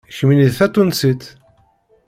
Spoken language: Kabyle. Kemmini d Tatunsit.